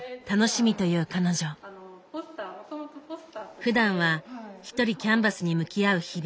ふだんは一人キャンバスに向き合う日々。